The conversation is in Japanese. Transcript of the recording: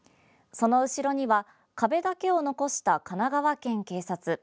その後ろには壁だけを残した神奈川県警察。